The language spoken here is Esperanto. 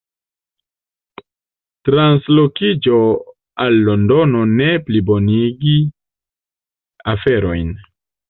Translokiĝo al Londono ne plibonigi aferojn.